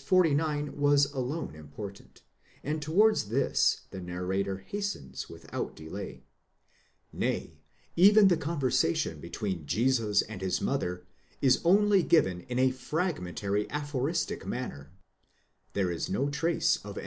49 was alone important, and towards this the narrator hastens without delay); nay, even the conversation between Jesus and his mother is only given in a fragmentary aphoristic manner (there is no 5 Schemoth R. ap.